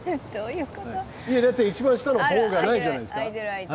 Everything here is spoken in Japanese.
だって一番下の方がないじゃないですか。